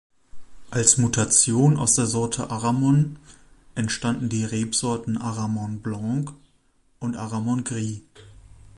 Als Mutation aus der Sorte Aramon entstanden die Rebsorten Aramon Blanc und Aramon Gris.